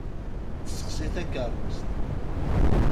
Tessexsi takerrust.